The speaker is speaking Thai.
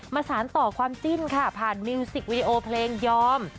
สารต่อความจิ้นค่ะผ่านมิวสิกวีดีโอเพลงยอม